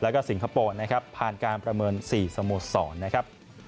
แล้วก็สิงคโปร์นะครับผ่านการประเมิน๔สโมสรนะครับ